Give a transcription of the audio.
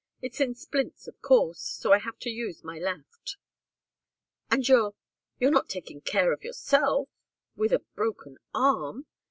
It's in splints, of course, so I have to use my left." "And you're you're not taking care of yourself? With a broken arm?"